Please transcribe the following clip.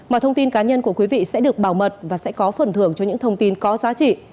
mọi thông tin cá nhân của quý vị sẽ được bảo mật và sẽ có phần thưởng cho những thông tin có giá trị